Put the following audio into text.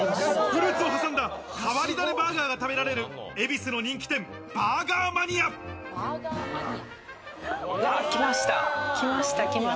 フルーツを挟んだ変わり種バーガーが食べられる恵比寿の人気店、Ｂｕｒｇｅ来ました。